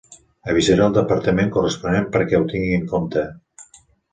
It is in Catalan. Avisaré el departament corresponent perquè ho tinguin en compte.